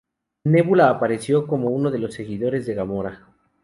Nebula apareció como uno de los seguidores de Gamora.